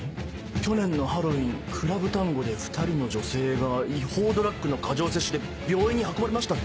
「去年のハロウィーンクラブ・タンゴで２人の女性が違法ドラッグの過剰摂取で病院に運ばれました」って。